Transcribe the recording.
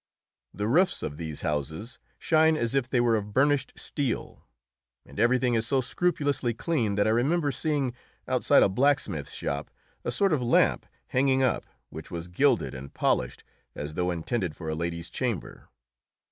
The roofs of these houses shine as if they were of burnished steel, and everything is so scrupulously clean that I remember seeing, outside a blacksmith's shop, a sort of lamp hanging up, which was gilded and polished as though intended for a lady's chamber.